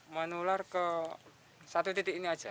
menular ke satu titik ini saja